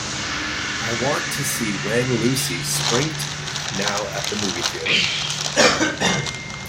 I want to see Wenn Lucy springt now at a movie theatre.